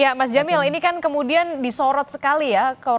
ya mas jamil ini kan kemudian disorot sekali ya